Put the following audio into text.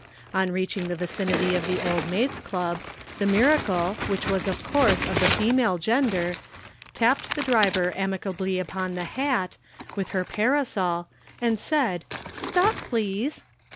On reaching the vicinity of the Old Maid's Club, the miracle, which was of course of the female gender, tapped the driver amicably upon the hat with her parasol and said "Stop please."